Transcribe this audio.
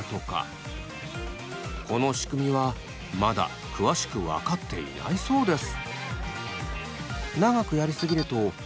この仕組みはまだ詳しく分かっていないそうです。